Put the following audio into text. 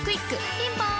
ピンポーン